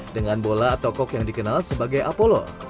dengan bola atau kok yang dikenal sebagai apollo